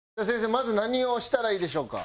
まず何をしたらいいでしょうか？